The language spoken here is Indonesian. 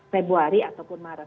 februari ataupun maret